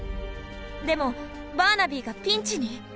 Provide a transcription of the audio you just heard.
でもバーナビーがピンチに！